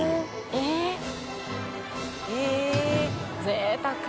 ぜいたく。